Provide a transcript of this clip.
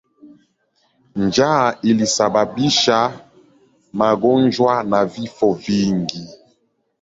Njaa ilisababisha magonjwa na vifo vingi.